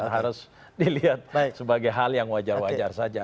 harus dilihat sebagai hal yang wajar wajar saja